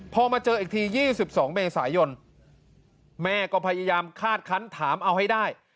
พอมาเจออีกที๒๒เมษายนแม่ก็พยายามคาดคันถามเอาให้ได้